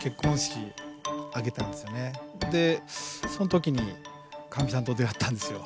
でその時にかみさんと出会ったんですよ。